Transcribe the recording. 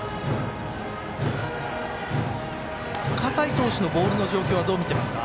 葛西投手のボールの状況はどう見ていますか？